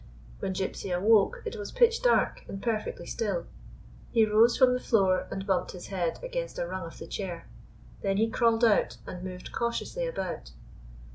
When Gypsy awoke it was pitch dark and perfectly still. He rose from the floor and bumped his head against a rung of the chair. Then he crawled out, and moved cautiously about.